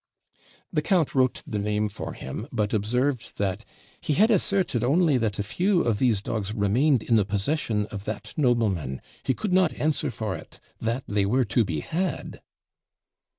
The count wrote the name for him, but observed, that 'he had asserted only that a few of these dogs remained in the possession of that nobleman; he could not answer for it that they were TO BE HAD.'